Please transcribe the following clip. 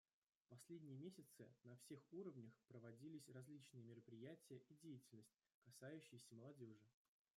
В последние месяцы на всех уровнях проводились различные мероприятия и деятельность, касающиеся молодежи.